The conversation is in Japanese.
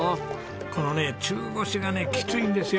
このね中腰がねきついんですよ。